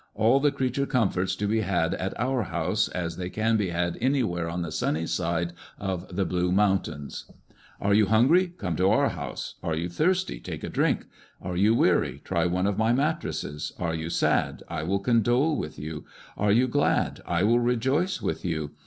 All the creature comforts to be had at ' our house ' as they can be had anywhere on the sunny side of the Blue Mountains. ' Are you hungry ? Come to our house. ' Are you thirsty ? Take a drink. ' Are you weary ? Try one of my mattresses. ' Are you sad ? I will condole with you. ' Are you glad ? I will rejoice with you.